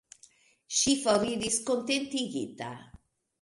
Ŝi foriris kontentigita.